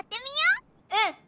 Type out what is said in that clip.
うん！